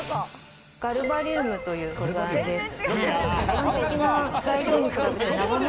ガルバリウムという素材です。